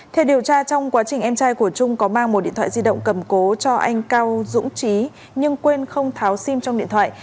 theo điều tra trong quá trình em trai của trung có mang một điện thoại di động cầm cố cho anh cao dũng trí nhưng quên không tháo sim trong điện thoại